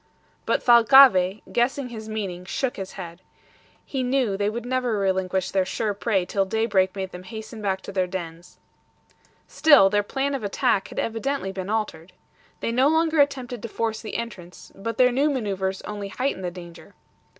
But Thalcave, guessing his meaning, shook his head. He knew they would never relinquish their sure prey till daybreak made them hasten back to their dens. Still, their plan of attack had evidently been altered. They no longer attempted to force the entrance, but their new maneuvers only heightened the danger.